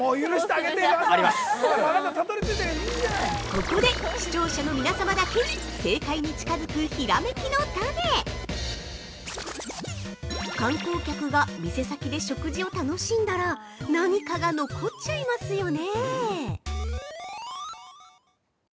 ◆ここで視聴者の皆様だけに、正解に近づく「ひらめきのタネ」観光客が店先で食事を楽しんだら、何かが残っちゃいますよね？